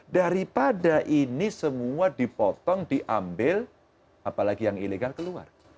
daripada ini semua dipotong diambil apalagi yang ilegal keluar